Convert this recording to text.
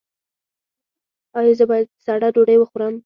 ایا زه باید سړه ډوډۍ وخورم؟